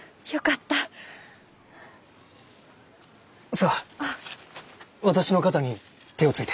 さあ私の肩に手をついて。